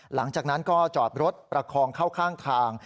หลังจากนั้นก็จอดรถประคองเข้าข้างทาง